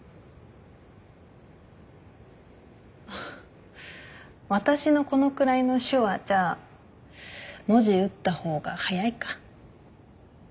あっ私のこのくらいの手話じゃ文字打った方が早いか。